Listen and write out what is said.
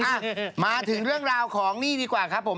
อ่ะมาถึงเรื่องราวของนี่ดีกว่าครับผม